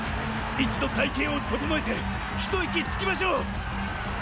一度隊形を整えて一息つきましょう！